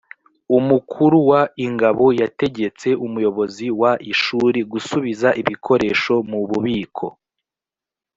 umukuru w ingabo yategetse umuyobozi w ishuri gusubiza ibikoresho mu bubiko